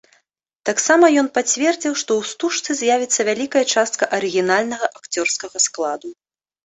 Таксама ён пацвердзіў, што ў стужцы з'явіцца вялікая частка арыгінальнага акцёрскага складу.